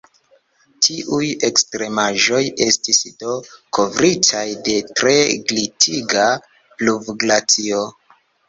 Tiuj ekstremaĵoj estis do kovritaj de tre glitiga pluvglacio.